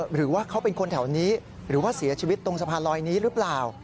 หรือว่าเขาเป็นคนแถวนี้หรือว่าเสียชีวิตตรงสะพานลอยนี้หรือเปล่า